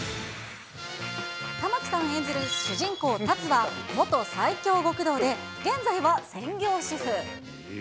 玉木さん演じる主人公、龍は、元最強極道で、現在は専業主夫。